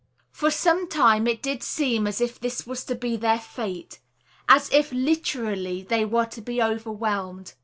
For some time did it seem as if this was to be their fate, as if, literally, they were to be overwhelmed.